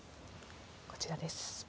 こちらです。